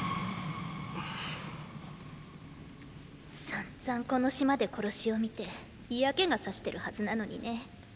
散々この島で殺しを見て嫌気がさしてるハズなのにね。